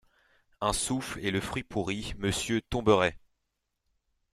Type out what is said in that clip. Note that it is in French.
Un souffle, et le fruit pourri, Monsieur, tomberait!